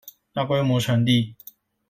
大規模傳遞